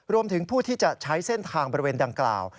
รวมถึงผู้ที่จะใช้เส้นทางบริเวณดังกล่าว